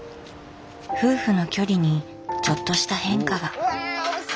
夫婦の距離にちょっとした変化が。